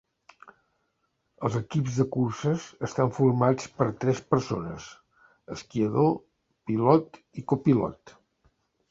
Els equips de curses estan formats per tres persones: esquiador, pilot i copilot.